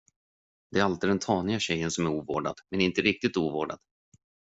Det är alltid den taniga tjejen som är ovårdad, men inte riktigt ovårdad.